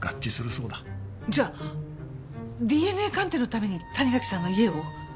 じゃあＤＮＡ鑑定のために谷垣さんの家を？